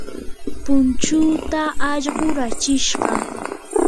punchuuta allqu rachishqa.